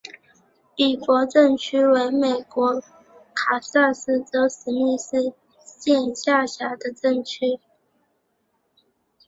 比弗镇区为美国堪萨斯州史密斯县辖下的镇区。